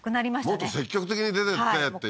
もっと積極的に出てってっていうね